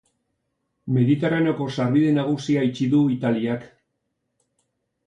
Mediterraneoko sarbide nagusia itxi du Italiak.